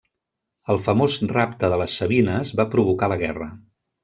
El famós rapte de les sabines va provocar la guerra.